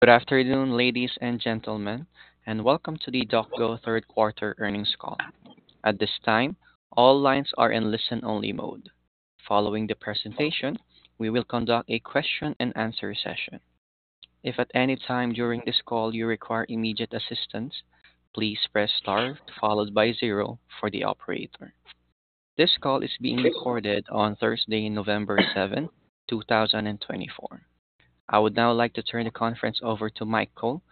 Good afternoon, ladies and gentlemen, and welcome to the DocGo Third Quarter Earnings Call. At this time, all lines are in listen-only mode. Following the presentation, we will conduct a question-and-answer session. If at any time during this call you require immediate assistance, please press star followed by zero for the operator. This call is being recorded on Thursday, November 7, 2024. I would now like to turn the conference over to Mike Cole,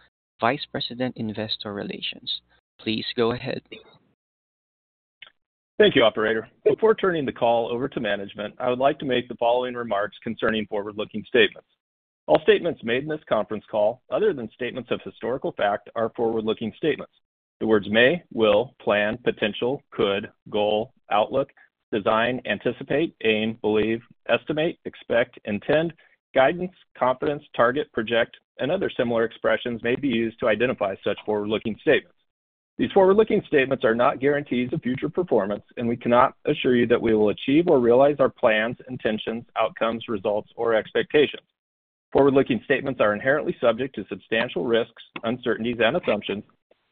Vice President of Investor Relations. Please go ahead. Thank you, Operator. Before turning the call over to management, I would like to make the following remarks concerning forward-looking statements. All statements made in this conference call, other than statements of historical fact, are forward-looking statements. The words may, will, plan, potential, could, goal, outlook, design, anticipate, aim, believe, estimate, expect, intend, guidance, confidence, target, project, and other similar expressions may be used to identify such forward-looking statements. These forward-looking statements are not guarantees of future performance, and we cannot assure you that we will achieve or realize our plans, intentions, outcomes, results, or expectations. Forward-looking statements are inherently subject to substantial risks, uncertainties, and assumptions,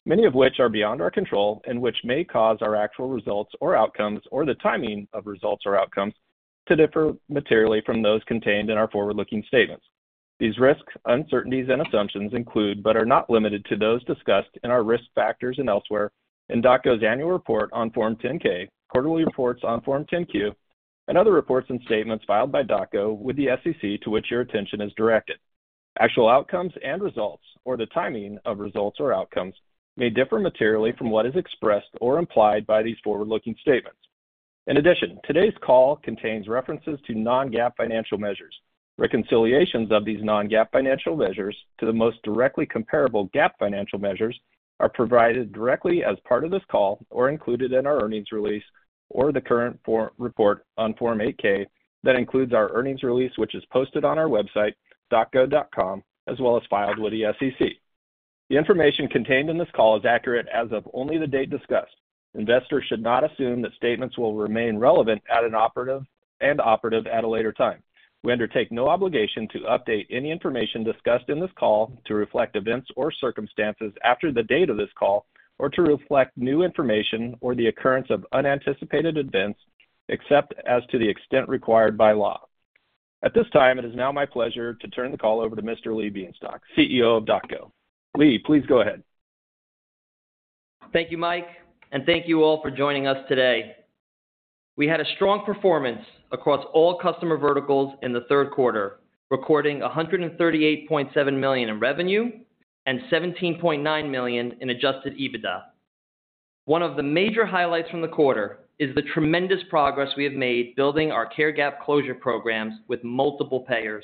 many of which are beyond our control and which may cause our actual results or outcomes, or the timing of results or outcomes, to differ materially from those contained in our forward-looking statements. These risks, uncertainties, and assumptions include, but are not limited to, those discussed in our risk factors and elsewhere in DocGo's annual report on Form 10-K, quarterly reports on Form 10-Q, and other reports and statements filed by DocGo with the SEC to which your attention is directed. Actual outcomes and results, or the timing of results or outcomes, may differ materially from what is expressed or implied by these forward-looking statements. In addition, today's call contains references to non-GAAP financial measures. Reconciliations of these non-GAAP financial measures to the most directly comparable GAAP financial measures are provided directly as part of this call or included in our earnings release or the current report on Form 8-K that includes our earnings release, which is posted on our website, docgo.com, as well as filed with the SEC. The information contained in this call is accurate as of only the date discussed. Investors should not assume that statements will remain relevant at an operative and operative at a later time. We undertake no obligation to update any information discussed in this call to reflect events or circumstances after the date of this call or to reflect new information or the occurrence of unanticipated events, except to the extent required by law. At this time, it is now my pleasure to turn the call over to Mr. Lee Bienstock, CEO of DocGo. Lee, please go ahead. Thank you, Mike, and thank you all for joining us today. We had a strong performance across all customer verticals in the third quarter, recording $138.7 million in revenue and $17.9 million in adjusted EBITDA. One of the major highlights from the quarter is the tremendous progress we have made building our care gap closure programs with multiple payers.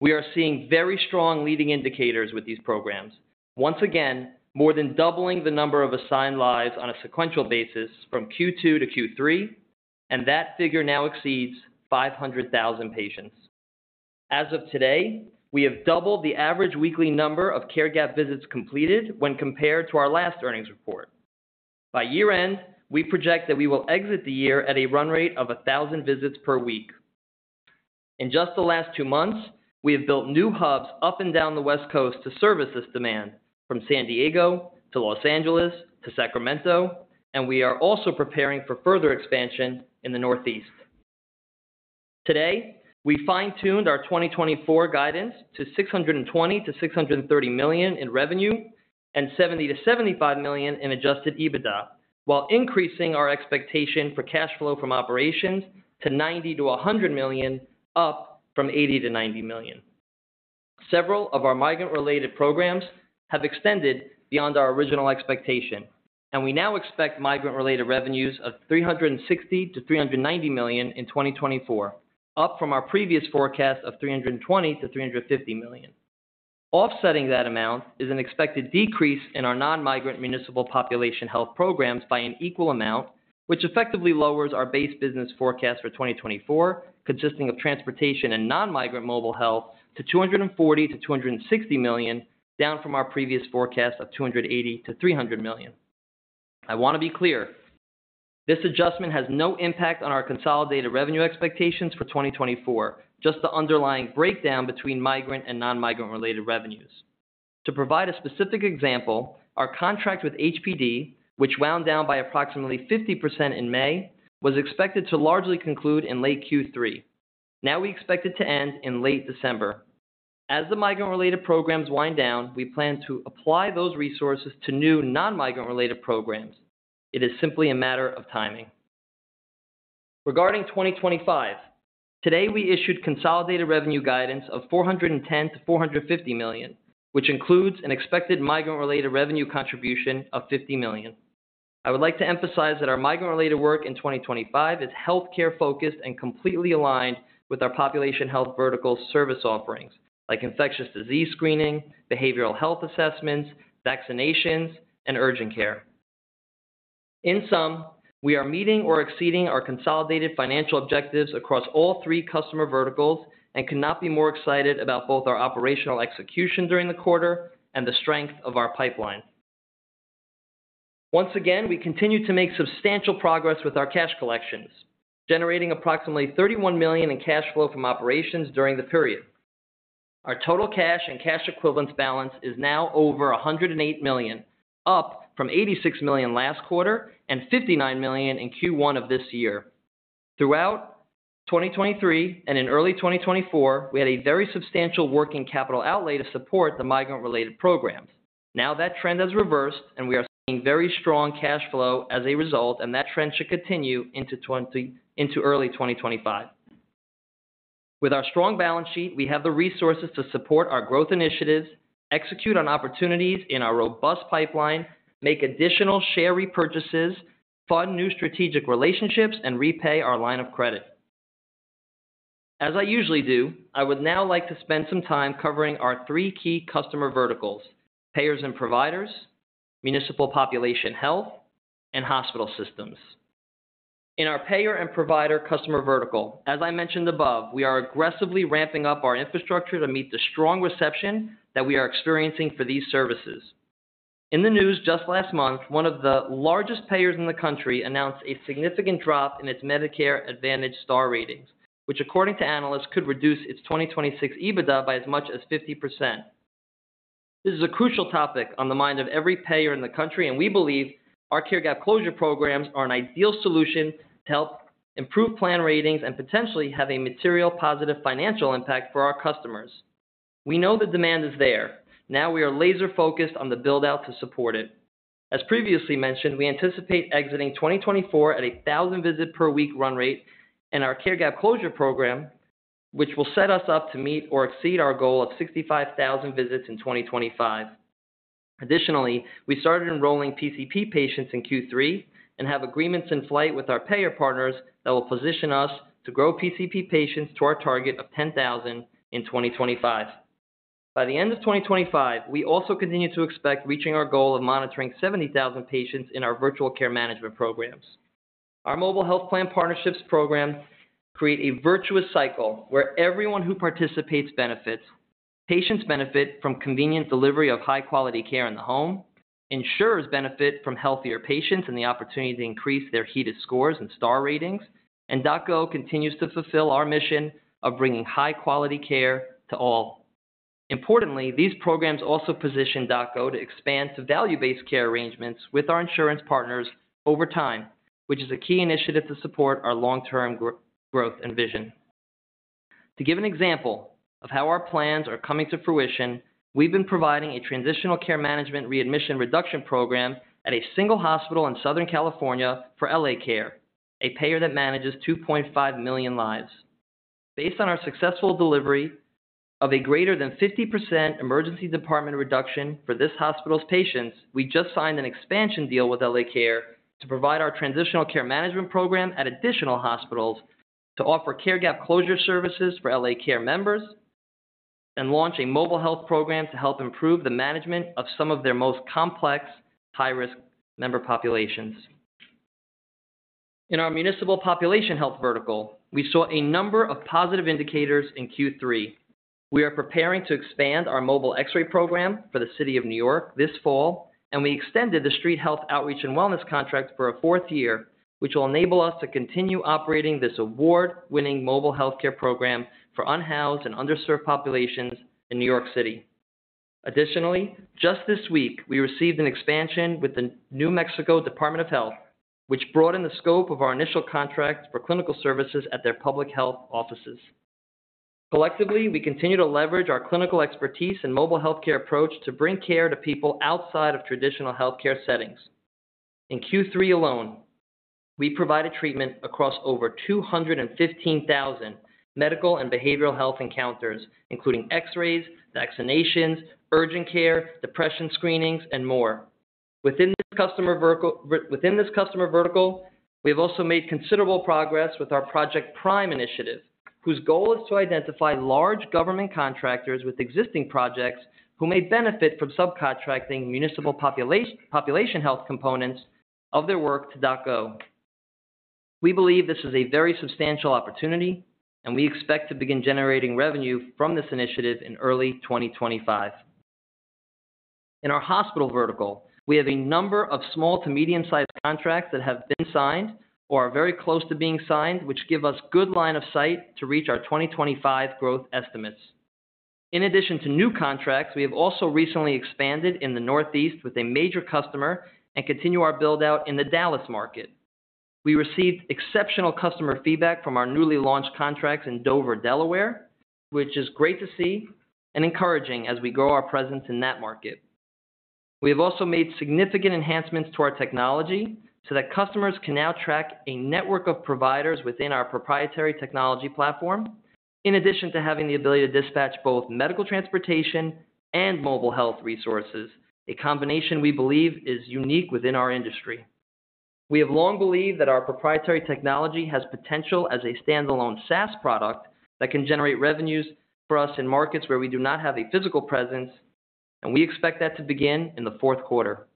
We are seeing very strong leading indicators with these programs, once again more than doubling the number of assigned lives on a sequential basis from Q2 to Q3, and that figure now exceeds 500,000 patients. As of today, we have doubled the average weekly number of care gap visits completed when compared to our last earnings report. By year-end, we project that we will exit the year at a run rate of 1,000 visits per week. In just the last two months, we have built new hubs up and down the West Coast to service this demand from San Diego to Los Angeles to Sacramento, and we are also preparing for further expansion in the Northeast. Today, we fine-tuned our 2024 guidance to $620-$630 million in revenue and $70-$75 million in Adjusted EBITDA, while increasing our expectation for cash flow from operations to $90-$100 million, up from $80-$90 million. Several of our migrant-related programs have extended beyond our original expectation, and we now expect migrant-related revenues of $360-$390 million in 2024, up from our previous forecast of $320-$350 million. Offsetting that amount is an expected decrease in our non-migrant municipal population health programs by an equal amount, which effectively lowers our base business forecast for 2024, consisting of transportation and non-migrant mobile health, to $240 million-$260 million, down from our previous forecast of $280 million-$300 million. I want to be clear: this adjustment has no impact on our consolidated revenue expectations for 2024, just the underlying breakdown between migrant and non-migrant-related revenues. To provide a specific example, our contract with HPD, which wound down by approximately 50% in May, was expected to largely conclude in late Q3. Now we expect it to end in late December. As the migrant-related programs wind down, we plan to apply those resources to new non-migrant-related programs. It is simply a matter of timing. Regarding 2025, today we issued consolidated revenue guidance of $410 million-$450 million, which includes an expected migrant-related revenue contribution of $50 million. I would like to emphasize that our migrant-related work in 2025 is healthcare-focused and completely aligned with our population health vertical service offerings, like infectious disease screening, behavioral health assessments, vaccinations, and urgent care. In sum, we are meeting or exceeding our consolidated financial objectives across all three customer verticals and could not be more excited about both our operational execution during the quarter and the strength of our pipeline. Once again, we continue to make substantial progress with our cash collections, generating approximately $31 million in cash flow from operations during the period. Our total cash and cash equivalents balance is now over $108 million, up from $86 million last quarter and $59 million in Q1 of this year. Throughout 2023 and in early 2024, we had a very substantial working capital outlay to support the migrant-related programs. Now that trend has reversed, and we are seeing very strong cash flow as a result, and that trend should continue into early 2025. With our strong balance sheet, we have the resources to support our growth initiatives, execute on opportunities in our robust pipeline, make additional share repurchases, fund new strategic relationships, and repay our line of credit. As I usually do, I would now like to spend some time covering our three key customer verticals: payers and providers, municipal population health, and hospital systems. In our payer and provider customer vertical, as I mentioned above, we are aggressively ramping up our infrastructure to meet the strong reception that we are experiencing for these services. In the news just last month, one of the largest payers in the country announced a significant drop in its Medicare Advantage Star Ratings, which, according to analysts, could reduce its 2026 EBITDA by as much as 50%. This is a crucial topic on the mind of every payer in the country, and we believe our Care Gap closure programs are an ideal solution to help improve plan ratings and potentially have a material positive financial impact for our customers. We know the demand is there. Now we are laser-focused on the build-out to support it. As previously mentioned, we anticipate exiting 2024 at a 1,000-visit-per-week run rate in our Care Gap closure program, which will set us up to meet or exceed our goal of 65,000 visits in 2025. Additionally, we started enrolling PCP patients in Q3 and have agreements in flight with our payer partners that will position us to grow PCP patients to our target of 10,000 in 2025. By the end of 2025, we also continue to expect reaching our goal of monitoring 70,000 patients in our virtual care management programs. Our mobile health plan partnerships program creates a virtuous cycle where everyone who participates benefits. Patients benefit from convenient delivery of high-quality care in the home. Insurers benefit from healthier patients and the opportunity to increase their HEDIS scores and star ratings, and DocGo continues to fulfill our mission of bringing high-quality care to all. Importantly, these programs also position DocGo to expand to value-based care arrangements with our insurance partners over time, which is a key initiative to support our long-term growth and vision. To give an example of how our plans are coming to fruition, we've been providing a transitional care management readmission reduction program at a single hospital in Southern California for L.A. Care, a payer that manages 2.5 million lives. Based on our successful delivery of a greater than 50% emergency department reduction for this hospital's patients, we just signed an expansion deal with L.A. Care to provide our transitional care management program at additional hospitals to offer Care Gap closure services for L.A. Care members and launch a mobile health program to help improve the management of some of their most complex, high-risk member populations. In our municipal population health vertical, we saw a number of positive indicators in Q3. We are preparing to expand our mobile X-ray program for the City of New York this fall, and we extended the Street Health Outreach and Wellness contract for a fourth year, which will enable us to continue operating this award-winning mobile healthcare program for unhoused and underserved populations in New York City. Additionally, just this week, we received an expansion with the New Mexico Department of Health, which broadened the scope of our initial contract for clinical services at their public health offices. Collectively, we continue to leverage our clinical expertise and mobile healthcare approach to bring care to people outside of traditional healthcare settings. In Q3 alone, we provided treatment across over 215,000 medical and behavioral health encounters, including X-rays, vaccinations, urgent care, depression screenings, and more. Within this customer vertical, we have also made considerable progress with our Project Prime initiative, whose goal is to identify large government contractors with existing projects who may benefit from subcontracting municipal population health components of their work to DocGo. We believe this is a very substantial opportunity, and we expect to begin generating revenue from this initiative in early 2025. In our hospital vertical, we have a number of small to medium-sized contracts that have been signed or are very close to being signed, which give us good line of sight to reach our 2025 growth estimates. In addition to new contracts, we have also recently expanded in the Northeast with a major customer and continue our build-out in the Dallas market. We received exceptional customer feedback from our newly launched contracts in Dover, Delaware, which is great to see and encouraging as we grow our presence in that market. We have also made significant enhancements to our technology so that customers can now track a network of providers within our proprietary technology platform, in addition to having the ability to dispatch both medical transportation and mobile health resources, a combination we believe is unique within our industry. We have long believed that our proprietary technology has potential as a standalone SaaS product that can generate revenues for us in markets where we do not have a physical presence, and we expect that to begin in the fourth quarter.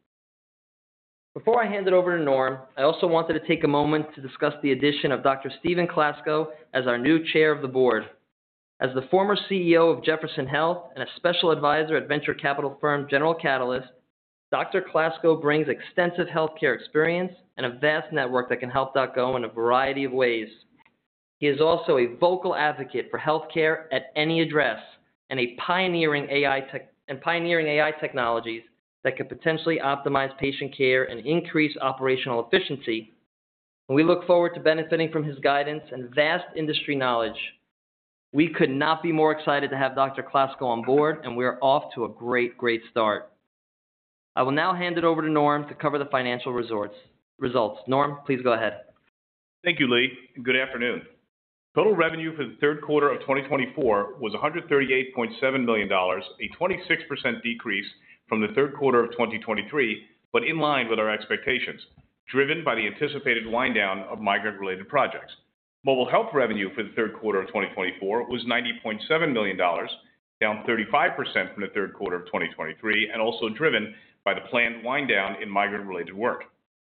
Before I hand it over to Norm, I also wanted to take a moment to discuss the addition of Dr. Stephen Klasko as our new Chair of the Board. As the former CEO of Jefferson Health and a special advisor at venture capital firm General Catalyst, Dr. Klasko brings extensive healthcare experience and a vast network that can help DocGo in a variety of ways. He is also a vocal advocate for healthcare at any address and pioneering AI technologies that can potentially optimize patient care and increase operational efficiency, and we look forward to benefiting from his guidance and vast industry knowledge. We could not be more excited to have Dr. Klasko on board, and we are off to a great, great start. I will now hand it over to Norm to cover the financial results. Norm, please go ahead. Thank you, Lee. Good afternoon. Total revenue for the third quarter of 2024 was $138.7 million, a 26% decrease from the third quarter of 2023, but in line with our expectations, driven by the anticipated wind down of migrant-related projects. Mobile health revenue for the third quarter of 2024 was $90.7 million, down 35% from the third quarter of 2023, and also driven by the planned wind down in migrant-related work.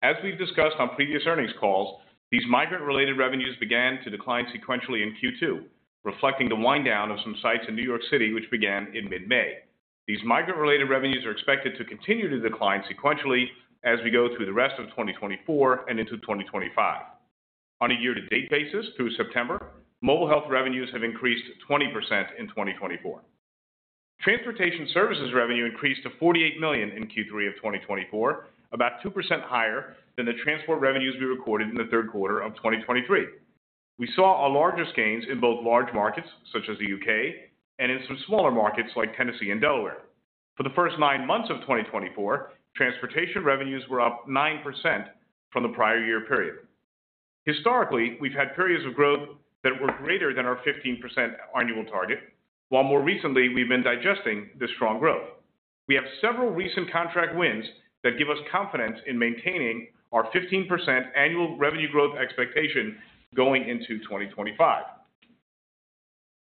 As we've discussed on previous earnings calls, these migrant-related revenues began to decline sequentially in Q2, reflecting the wind down of some sites in New York City, which began in mid-May. These migrant-related revenues are expected to continue to decline sequentially as we go through the rest of 2024 and into 2025. On a year-to-date basis, through September, mobile health revenues have increased 20% in 2024. Transportation services revenue increased to $48 million in Q3 of 2024, about 2% higher than the transport revenues we recorded in the third quarter of 2023. We saw our largest gains in both large markets, such as the U.K., and in some smaller markets like Tennessee and Delaware. For the first nine months of 2024, transportation revenues were up 9% from the prior year period. Historically, we've had periods of growth that were greater than our 15% annual target, while more recently, we've been digesting this strong growth. We have several recent contract wins that give us confidence in maintaining our 15% annual revenue growth expectation going into 2025.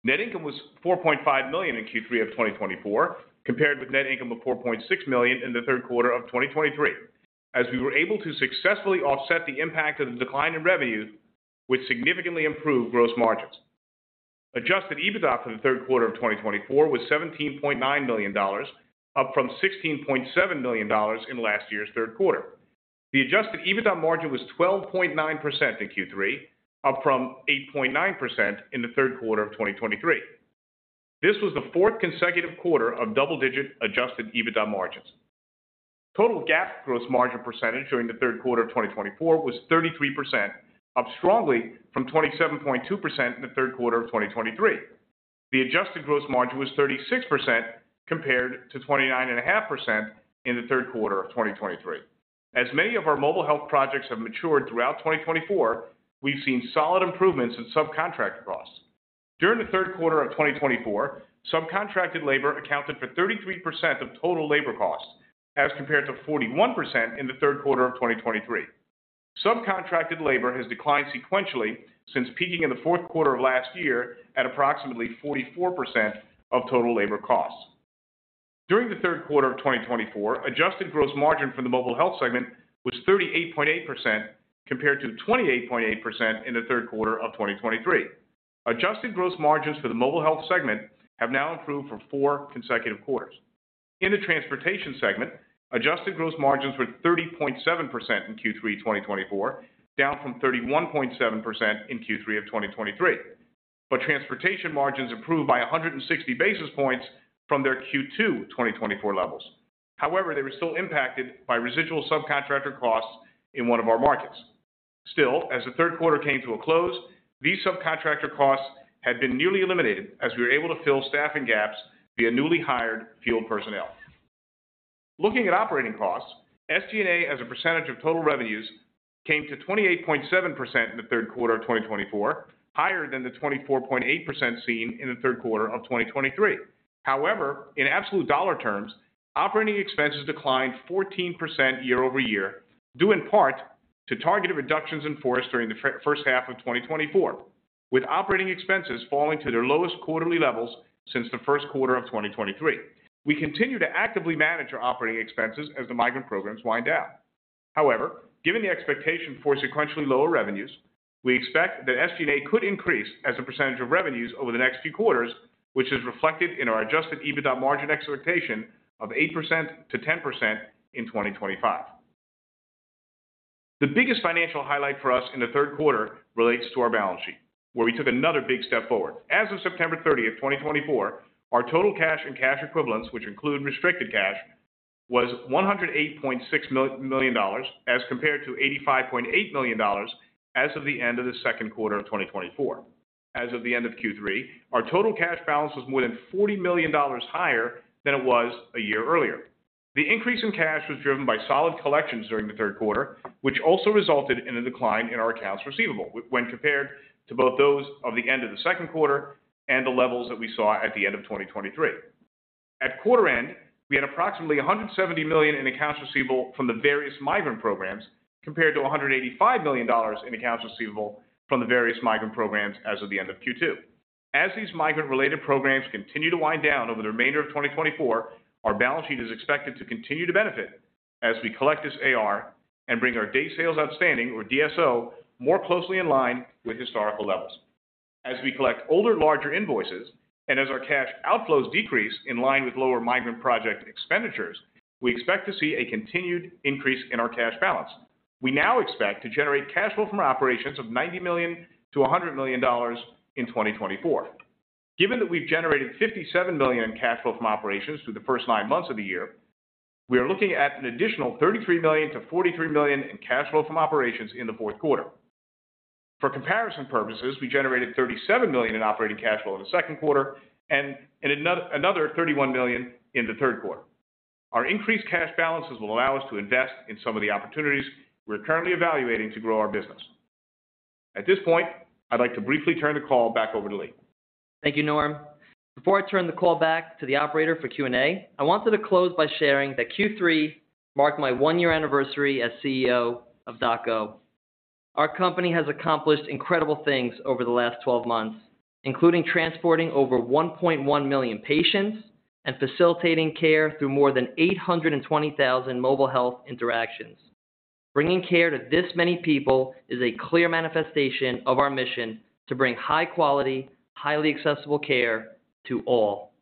Net income was $4.5 million in Q3 of 2024, compared with net income of $4.6 million in the third quarter of 2023, as we were able to successfully offset the impact of the decline in revenue, which significantly improved gross margins. Adjusted EBITDA for the third quarter of 2024 was $17.9 million, up from $16.7 million in last year's third quarter. The adjusted EBITDA margin was 12.9% in Q3, up from 8.9% in the third quarter of 2023. This was the fourth consecutive quarter of double-digit adjusted EBITDA margins. Total Care Gap gross margin percentage during the third quarter of 2024 was 33%, up strongly from 27.2% in the third quarter of 2023. The adjusted gross margin was 36%, compared to 29.5% in the third quarter of 2023. As many of our mobile health projects have matured throughout 2024, we've seen solid improvements in subcontract costs. During the third quarter of 2024, subcontracted labor accounted for 33% of total labor costs, as compared to 41% in the third quarter of 2023. Subcontracted labor has declined sequentially since peaking in the fourth quarter of last year at approximately 44% of total labor costs. During the third quarter of 2024, adjusted gross margin for the mobile health segment was 38.8%, compared to 28.8% in the third quarter of 2023. Adjusted gross margins for the mobile health segment have now improved for four consecutive quarters. In the transportation segment, adjusted gross margins were 30.7% in Q3 2024, down from 31.7% in Q3 of 2023, but transportation margins improved by 160 basis points from their Q2 2024 levels. However, they were still impacted by residual subcontractor costs in one of our markets. Still, as the third quarter came to a close, these subcontractor costs had been nearly eliminated as we were able to fill staffing gaps via newly hired field personnel. Looking at operating costs, SG&A as a percentage of total revenues came to 28.7% in the third quarter of 2024, higher than the 24.8% seen in the third quarter of 2023. However, in absolute dollar terms, operating expenses declined 14% year over year, due in part to targeted reductions in force during the first half of 2024, with operating expenses falling to their lowest quarterly levels since the first quarter of 2023. We continue to actively manage our operating expenses as the migrant programs wind down. However, given the expectation for sequentially lower revenues, we expect that SG&A could increase as a percentage of revenues over the next few quarters, which is reflected in our adjusted EBITDA margin expectation of 8%-10% in 2025. The biggest financial highlight for us in the third quarter relates to our balance sheet, where we took another big step forward. As of September 30, 2024, our total cash and cash equivalents, which include restricted cash, was $108.6 million, as compared to $85.8 million as of the end of the second quarter of 2024. As of the end of Q3, our total cash balance was more than $40 million higher than it was a year earlier. The increase in cash was driven by solid collections during the third quarter, which also resulted in a decline in our accounts receivable when compared to both those of the end of the second quarter and the levels that we saw at the end of 2023. At quarter end, we had approximately $170 million in accounts receivable from the various migrant programs, compared to $185 million in accounts receivable from the various migrant programs as of the end of Q2. As these migrant-related programs continue to wind down over the remainder of 2024, our balance sheet is expected to continue to benefit as we collect this AR and bring our day sales outstanding, or DSO, more closely in line with historical levels. As we collect older, larger invoices and as our cash outflows decrease in line with lower migrant project expenditures, we expect to see a continued increase in our cash balance. We now expect to generate cash flow from our operations of $90-$100 million in 2024. Given that we've generated $57 million in cash flow from operations through the first nine months of the year, we are looking at an additional $33-$43 million in cash flow from operations in the fourth quarter. For comparison purposes, we generated $37 million in operating cash flow in the second quarter and another $31 million in the third quarter. Our increased cash balances will allow us to invest in some of the opportunities we're currently evaluating to grow our business. At this point, I'd like to briefly turn the call back over to Lee. Thank you, Norm. Before I turn the call back to the operator for Q&A, I wanted to close by sharing that Q3 marked my one-year anniversary as CEO of DocGo. Our company has accomplished incredible things over the last 12 months, including transporting over 1.1 million patients and facilitating care through more than 820,000 mobile health interactions. Bringing care to this many people is a clear manifestation of our mission to bring high-quality, highly accessible care to all.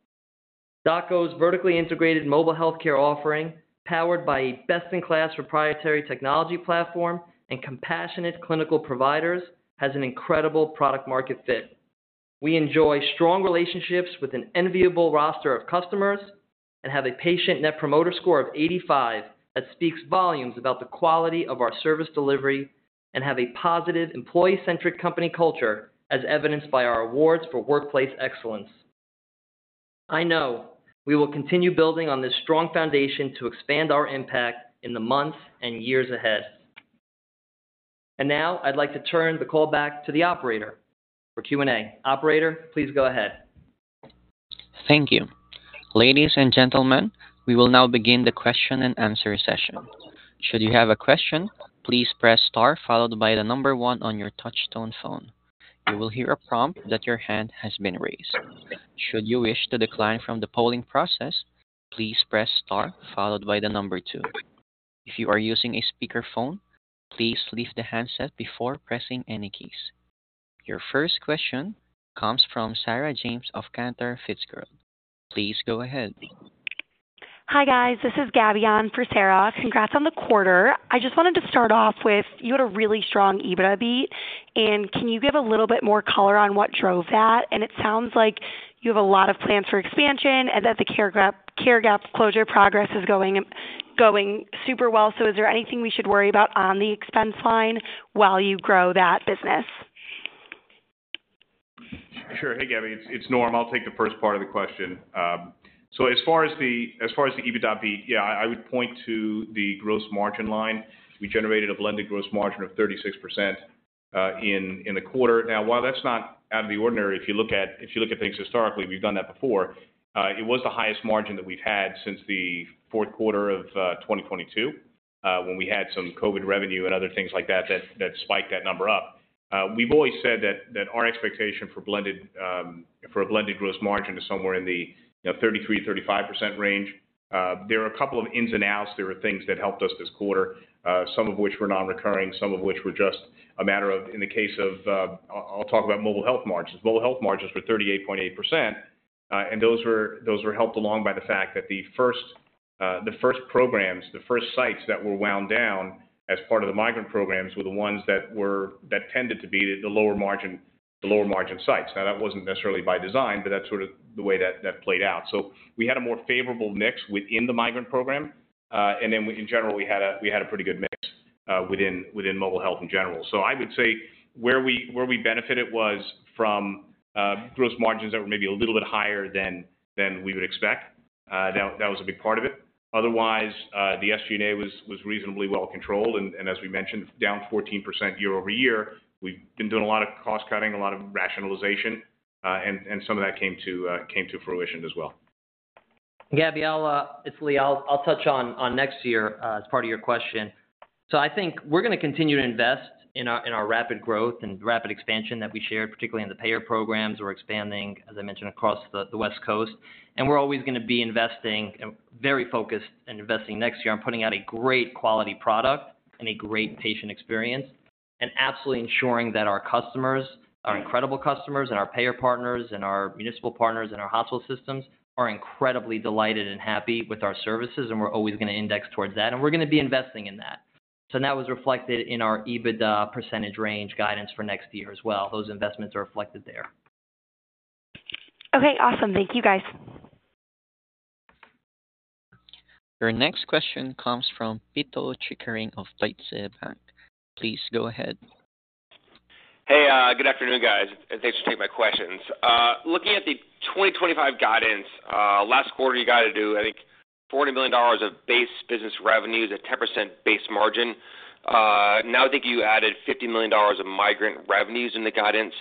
DocGo's vertically integrated mobile healthcare offering, powered by a best-in-class proprietary technology platform and compassionate clinical providers, has an incredible product-market fit. We enjoy strong relationships with an enviable roster of customers and have a patient Net Promoter Score of 85 that speaks volumes about the quality of our service delivery and have a positive, employee-centric company culture, as evidenced by our awards for workplace excellence. I know we will continue building on this strong foundation to expand our impact in the months and years ahead. And now, I'd like to turn the call back to the operator for Q&A. Operator, please go ahead. Thank you. Ladies and gentlemen, we will now begin the question-and-answer session. Should you have a question, please press star followed by the number one on your touch-tone phone. You will hear a prompt that your hand has been raised. Should you wish to decline from the polling process, please press star followed by the number two. If you are using a speakerphone, please leave the handset before pressing any keys. Your first question comes from Sarah James of Cantor Fitzgerald. Please go ahead. Hi, guys. This is Gabby for Sarah. Congrats on the quarter. I just wanted to start off with you had a really strong EBITDA beat, and can you give a little bit more color on what drove that? And it sounds like you have a lot of plans for expansion and that the care gap closure progress is going super well. So is there anything we should worry about on the expense line while you grow that business? Sure. Hey, Gabby. It's Norm. I'll take the first part of the question. So as far as the EBITDA beat, yeah, I would point to the gross margin line. We generated a blended gross margin of 36% in the quarter. Now, while that's not out of the ordinary if you look at things historically, we've done that before, it was the highest margin that we've had since the fourth quarter of 2022, when we had some COVID revenue and other things like that that spiked that number up. We've always said that our expectation for a blended gross margin is somewhere in the 33%-35% range. There are a couple of ins and outs. There are things that helped us this quarter, some of which were non-recurring, some of which were just a matter of, in the case of, I'll talk about mobile health margins. Mobile health margins were 38.8%, and those were helped along by the fact that the first programs, the first sites that were wound down as part of the migrant programs were the ones that tended to be the lower margin sites. Now, that wasn't necessarily by design, but that's sort of the way that played out. So we had a more favorable mix within the migrant program, and then, in general, we had a pretty good mix within mobile health in general. So I would say where we benefited was from gross margins that were maybe a little bit higher than we would expect. That was a big part of it. Otherwise, the SG&A was reasonably well controlled, and as we mentioned, down 14% year over year. We've been doing a lot of cost-cutting, a lot of rationalization, and some of that came to fruition as well. Gabby, it's Lee. I'll touch on next year as part of your question. So I think we're going to continue to invest in our rapid growth and rapid expansion that we shared, particularly in the payer programs. We're expanding, as I mentioned, across the West Coast, and we're always going to be investing and very focused and investing next year on putting out a great quality product and a great patient experience and absolutely ensuring that our customers, our incredible customers, and our payer partners and our municipal partners and our hospital systems are incredibly delighted and happy with our services, and we're always going to index towards that, and we're going to be investing in that. So that was reflected in our EBITDA percentage range guidance for next year as well. Those investments are reflected there. Okay. Awesome. Thank you, guys. Your next question comes from Peter Chickering of Deutsche Bank. Please go ahead. Hey, good afternoon, guys. Thanks for taking my questions. Looking at the 2025 guidance, last quarter, you got to do, I think, $40 million of base business revenues at 10% base margin. Now, I think you added $50 million of migrant revenues in the guidance,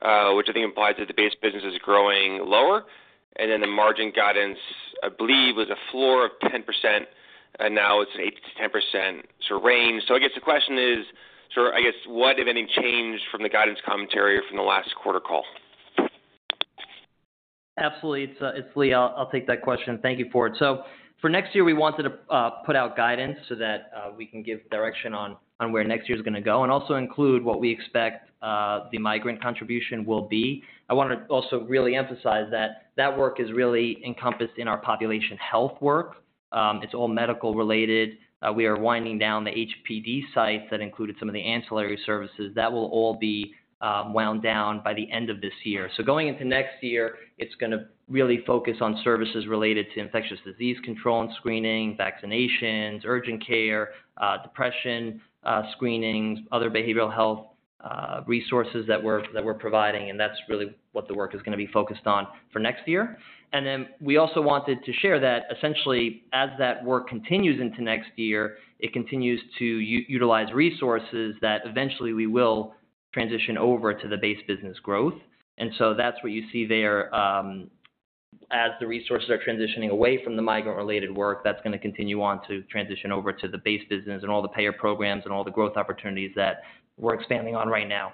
which I think implies that the base business is growing lower. And then the margin guidance, I believe, was a floor of 10%, and now it's an 8%-10% sort of range. So I guess the question is, I guess, what, if anything, changed from the guidance commentary from the last quarter call? Absolutely. It's Lee. I'll take that question. Thank you for it. So for next year, we wanted to put out guidance so that we can give direction on where next year is going to go and also include what we expect the migrant contribution will be. I want to also really emphasize that that work is really encompassed in our population health work. It's all medical-related. We are winding down the HPD sites that included some of the ancillary services. That will all be wound down by the end of this year. So going into next year, it's going to really focus on services related to infectious disease control and screening, vaccinations, urgent care, depression screenings, other behavioral health resources that we're providing, and that's really what the work is going to be focused on for next year. And then we also wanted to share that, essentially, as that work continues into next year, it continues to utilize resources that eventually we will transition over to the base business growth. And so that's what you see there. As the resources are transitioning away from the migrant-related work, that's going to continue on to transition over to the base business and all the payer programs and all the growth opportunities that we're expanding on right now.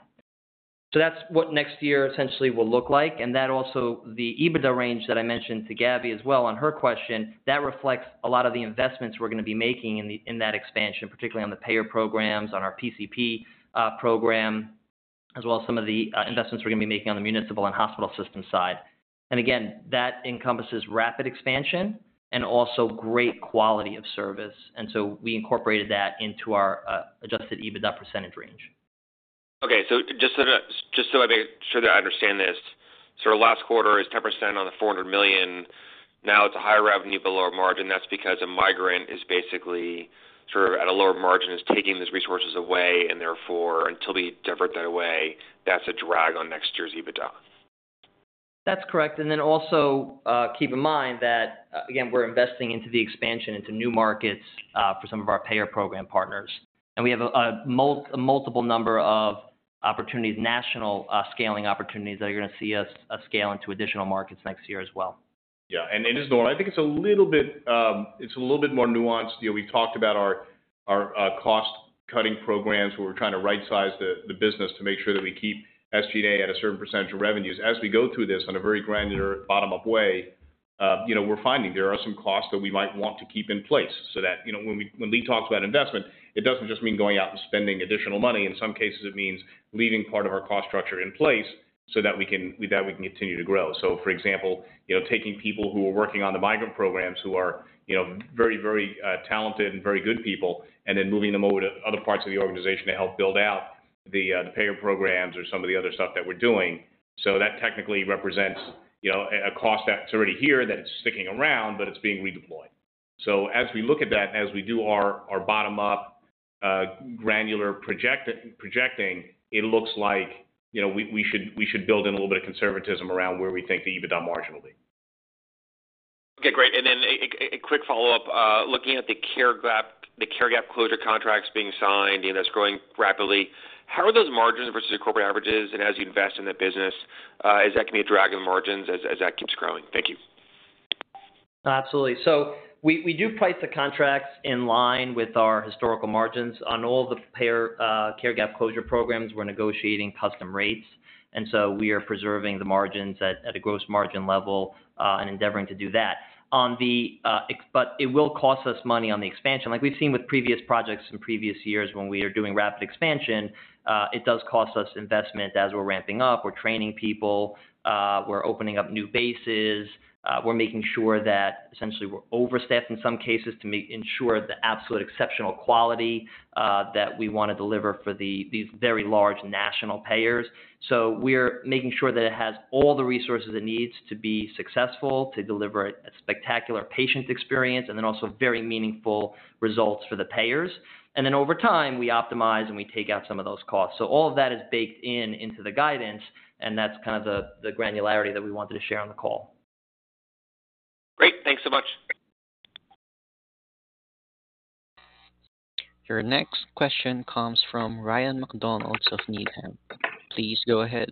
So that's what next year essentially will look like. And that also, the EBITDA range that I mentioned to Gabby as well on her question, that reflects a lot of the investments we're going to be making in that expansion, particularly on the payer programs, on our PCP program, as well as some of the investments we're going to be making on the municipal and hospital system side. And again, that encompasses rapid expansion and also great quality of service. And so we incorporated that into our Adjusted EBITDA percentage range. Okay. So just so I make sure that I understand this, so last quarter is 10% on the $400 million. Now, it's a higher revenue but lower margin. That's because a migrant is basically sort of at a lower margin, is taking those resources away, and therefore, until we divert that away, that's a drag on next year's EBITDA. That's correct. And then also keep in mind that, again, we're investing into the expansion into new markets for some of our payer program partners, and we have a multiple number of opportunities, national scaling opportunities that are going to see us scale into additional markets next year as well. Yeah, and it is normal. I think it's a little bit more nuanced. We've talked about our cost-cutting programs where we're trying to right-size the business to make sure that we keep SG&A at a certain percentage of revenues. As we go through this in a very granular, bottom-up way, we're finding there are some costs that we might want to keep in place so that when Lee talks about investment, it doesn't just mean going out and spending additional money. In some cases, it means leaving part of our cost structure in place so that we can continue to grow. So, for example, taking people who are working on the migrant programs who are very, very talented and very good people and then moving them over to other parts of the organization to help build out the payer programs or some of the other stuff that we're doing. So that technically represents a cost that's already here that it's sticking around, but it's being redeployed. So as we look at that and as we do our bottom-up granular projecting, it looks like we should build in a little bit of conservatism around where we think the EBITDA margin will be. Okay. Great. And then a quick follow-up. Looking at the care gap closure contracts being signed and that's growing rapidly, how are those margins versus your corporate averages? And as you invest in that business, is that going to be a drag on the margins as that keeps growing? Thank you. Absolutely, so we do price the contracts in line with our historical margins. On all the care gap closure programs, we're negotiating custom rates, and so we are preserving the margins at a gross margin level and endeavoring to do that. But it will cost us money on the expansion. Like we've seen with previous projects in previous years when we are doing rapid expansion, it does cost us investment as we're ramping up. We're training people. We're opening up new bases. We're making sure that essentially we're overstaffed in some cases to ensure the absolute exceptional quality that we want to deliver for these very large national payers. So we're making sure that it has all the resources it needs to be successful, to deliver a spectacular patient experience, and then also very meaningful results for the payers. And then over time, we optimize and we take out some of those costs. So all of that is baked into the guidance, and that's kind of the granularity that we wanted to share on the call. Great. Thanks so much. Your next question comes from Ryan MacDonald of Needham. Please go ahead.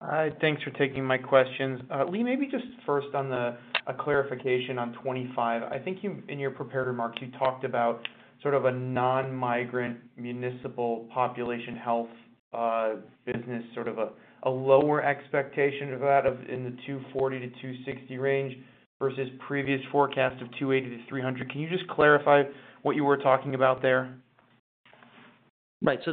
Hi. Thanks for taking my questions. Lee, maybe just first on a clarification on 25. I think in your prepared remarks, you talked about sort of a non-migrant municipal population health business, sort of a lower expectation of that in the $240-$260 range versus previous forecast of $280-$300. Can you just clarify what you were talking about there? Right. So,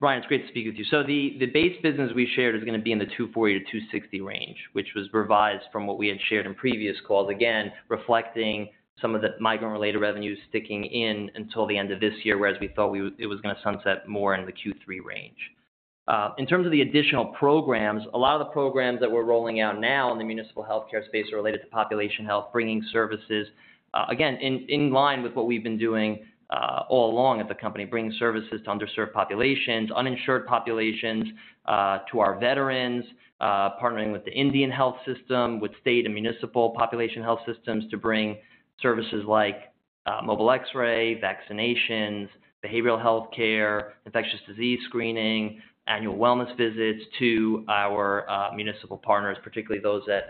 Ryan, it's great to speak with you. So the base business we shared is going to be in the $240-$260 range, which was revised from what we had shared in previous calls, again, reflecting some of the migrant-related revenues sticking in until the end of this year, whereas we thought it was going to sunset more in the Q3 range. In terms of the additional programs, a lot of the programs that we're rolling out now in the municipal healthcare space are related to population health, bringing services, again, in line with what we've been doing all along at the company, bringing services to underserved populations, uninsured populations, to our veterans, partnering with the Indian health system, with state and municipal population health systems to bring services like mobile X-ray, vaccinations, behavioral healthcare, infectious disease screening, annual wellness visits to our municipal partners, particularly those that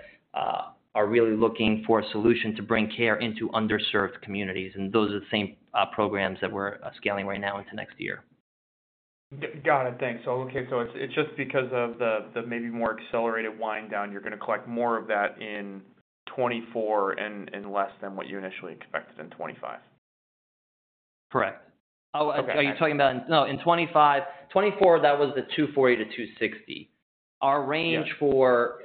are really looking for a solution to bring care into underserved communities, and those are the same programs that we're scaling right now into next year. Got it. Thanks. Okay. So it's just because of the maybe more accelerated wind down, you're going to collect more of that in 2024 and less than what you initially expected in 2025? Correct. Oh, are you talking about in 2024, that was the 240-260. Our range for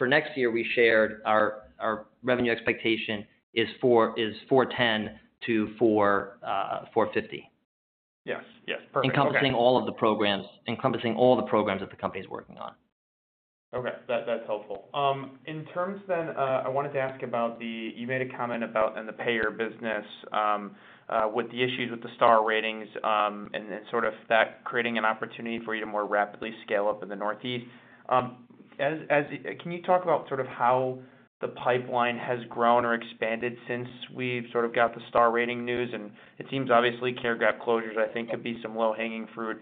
next year we shared, our revenue expectation is 410-450. Yes. Yes. Perfect. Encompassing all the programs that the company is working on. Okay. That's helpful. In terms then, I wanted to ask about the you made a comment about in the payer business with the issues with the Star Ratings and sort of that creating an opportunity for you to more rapidly scale up in the Northeast. Can you talk about sort of how the pipeline has grown or expanded since we've sort of got the Star Ratings news? And it seems obviously care gap closures, I think, could be some low-hanging fruit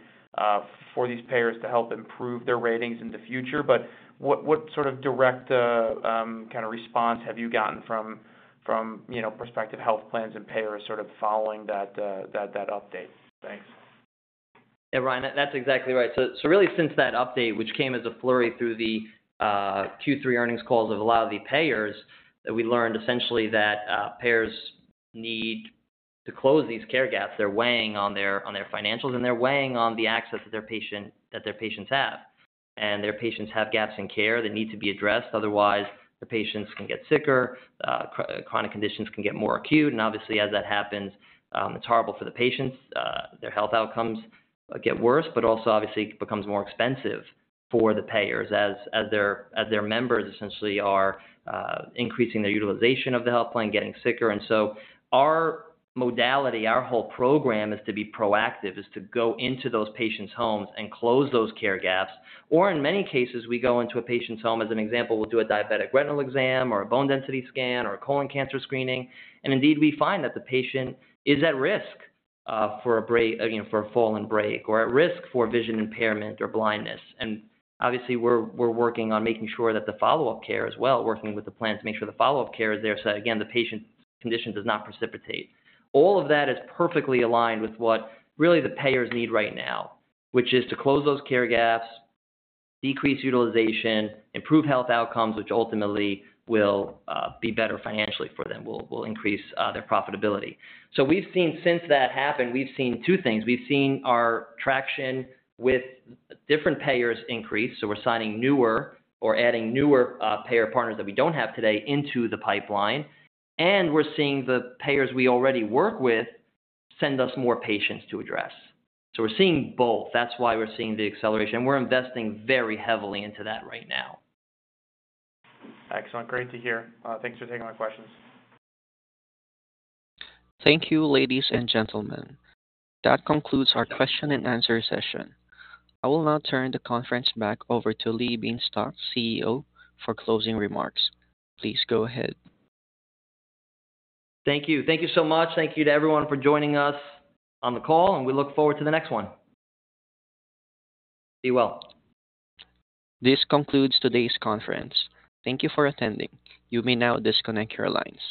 for these payers to help improve their ratings in the future. But what sort of direct kind of response have you gotten from prospective health plans and payers sort of following that update? Thanks. Yeah, Ryan, that's exactly right. So really, since that update, which came as a flurry through the Q3 earnings calls of a lot of the payers, we learned essentially that payers need to close these care gaps. They're weighing on their financials, and they're weighing on the access that their patients have. And their patients have gaps in care that need to be addressed. Otherwise, the patients can get sicker, chronic conditions can get more acute, and obviously, as that happens, it's horrible for the patients. Their health outcomes get worse, but also, obviously, it becomes more expensive for the payers as their members essentially are increasing their utilization of the health plan, getting sicker. And so our modality, our whole program is to be proactive, is to go into those patients' homes and close those care gaps. or in many cases, we go into a patient's home, as an example, we'll do a diabetic retinal exam or a bone density scan or a colon cancer screening. And indeed, we find that the patient is at risk for a fall and break or at risk for vision impairment or blindness. And obviously, we're working on making sure that the follow-up care as well, working with the plans to make sure the follow-up care is there so that, again, the patient's condition does not precipitate. All of that is perfectly aligned with what really the payers need right now, which is to close those care gaps, decrease utilization, improve health outcomes, which ultimately will be better financially for them, will increase their profitability. So we've seen since that happen, we've seen two things. We've seen our traction with different payers increase. So we're signing newer or adding newer payer partners that we don't have today into the pipeline. And we're seeing the payers we already work with send us more patients to address. So we're seeing both. That's why we're seeing the acceleration. And we're investing very heavily into that right now. Excellent. Great to hear. Thanks for taking my questions. Thank you, ladies and gentlemen. That concludes our question-and-answer session. I will now turn the conference back over to Lee Bienstock, CEO, for closing remarks. Please go ahead. Thank you. Thank you so much. Thank you to everyone for joining us on the call, and we look forward to the next one. Be well. This concludes today's conference. Thank you for attending. You may now disconnect your lines.